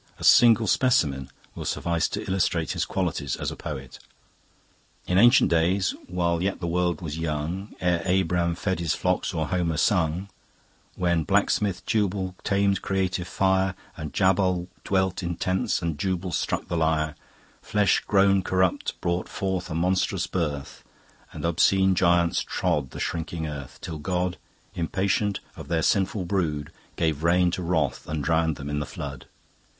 A single specimen will suffice to illustrate his qualities as a poet." "'In ancient days, while yet the world was young, Ere Abram fed his flocks or Homer sung; When blacksmith Tubal tamed creative fire, And Jabal dwelt in tents and Jubal struck the lyre; Flesh grown corrupt brought forth a monstrous birth And obscene giants trod the shrinking earth, Till God, impatient of their sinful brood, Gave rein to wrath and drown'd them in the Flood.